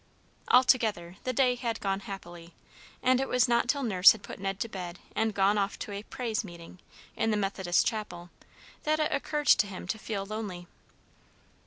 Altogether, the day had gone happily, and it was not till Nurse had put Ned to bed and gone off to a "praise meeting" in the Methodist chapel, that it occurred to him to feel lonely.